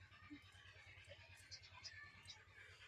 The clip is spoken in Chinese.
该排列数可以用容斥原理求解。